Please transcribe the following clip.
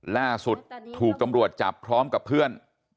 ล่าสุดถูกตำรวจจับพร้อมกับเพื่อน